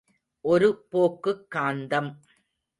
ஒரு போக்குக் காந்தம்.